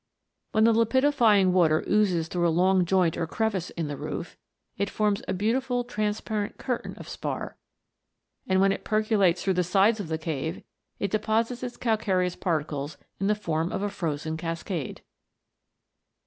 When the lapidifying water oozes through a long joint or crevice in the roof, it forms a beautiful transparent curtain of spar; and when it percolates through the sides of the cave, it deposits its cal careous particles in the form of a frozen cascade.